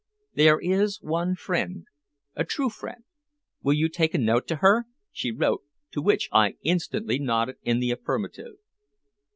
"There is one friend a true friend. Will you take a note to her?" she wrote, to which I instantly nodded in the affirmative.